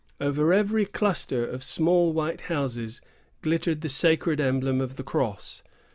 Over every cluster of small white houses glittered the sacred emblem of the cross.